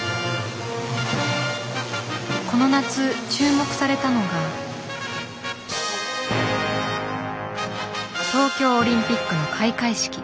この夏注目されたのが東京オリンピックの開会式。